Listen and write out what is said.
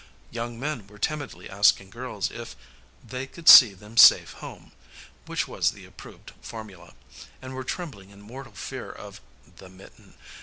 Young men were timidly asking girls if "they could see them safe home," which was the approved formula, and were trembling in mortal fear of "the mitten."